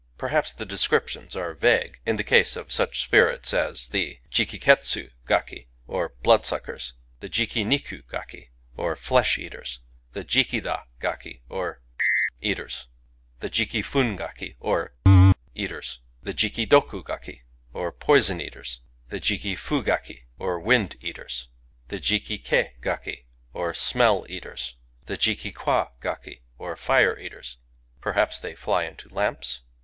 Perhaps the descriptions are vague in the case of such spirits as the Jiki'ketsU'gakiy or Blood suckers; the Jiki niku'gakiy or Flesh caters; the Jiki Ja gaki, or eaters; the Jiki fun gaki^ or eaters; the Jiki doku gakiy or Poison eaters; the Jiki fu ^ gakiy or Wind eaters; the Jiki ki gakiy or Smell eaters; the Jiki'kwa gakiy or Fire eaters (perhaps they fly into lamps